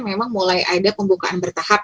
memang mulai ada pembukaan bertahap